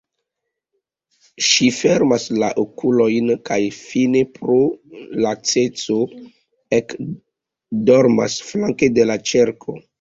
Ŝi fermas la okulojn kaj fine pro laceco ekdormas flanke de la ĉerko.